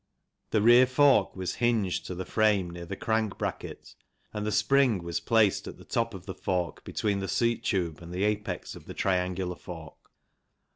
The rear fork was hinged to the frame near the crank bracket and the spring was placed at the top of the fork between the seat tube and the apex of the triangular fork.